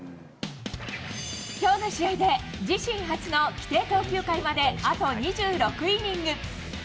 きょうの試合で、自身初の規定投球回まであと２６イニング。